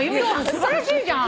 素晴らしいじゃん。